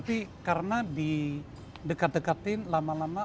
jadi karena didekat dekatin lama lama